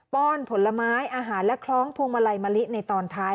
้อนผลไม้อาหารและคล้องพวงมาลัยมะลิในตอนท้าย